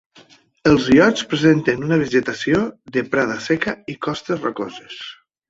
Els illots presenten una vegetació de prada seca i costes rocoses.